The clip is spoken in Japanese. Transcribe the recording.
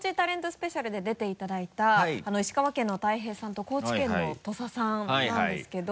スペシャルで出ていただいた石川県の大平さんと高知県の土佐さんなんですけど。